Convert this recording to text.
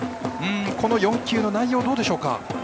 この４球の内容、どうでしょうか。